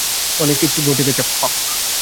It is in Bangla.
অনেক কিছু ঘটে গেছে।